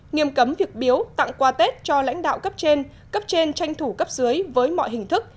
nghiêm cấm việc biếu tặng quà tết cho lãnh đạo cấp trên cấp trên tranh thủ cấp dưới với mọi hình thức